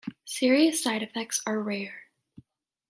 Serious side effects are rare.